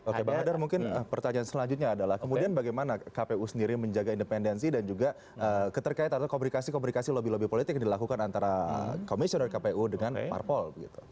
oke bang hadar mungkin pertanyaan selanjutnya adalah kemudian bagaimana kpu sendiri menjaga independensi dan juga keterkaitan atau komunikasi komunikasi lobby lobby politik yang dilakukan antara komisioner kpu dengan parpol